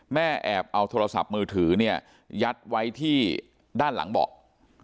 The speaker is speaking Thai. แม่แอบเอาโทรศัพท์มือถือเนี่ยยัดไว้ที่ด้านหลังเบาะ